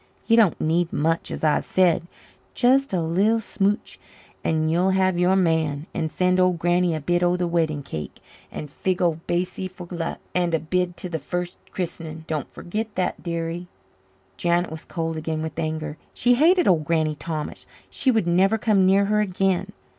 You don't need much, as I've said just a li'l smootch and you'll have your man, and send old Granny a bite o' the wedding cake and fig o' baccy for luck, and a bid to the fir r st christening! Doan't forget that, dearie." Janet was cold again with anger. She hated old Granny Thomas. She would never come near her again.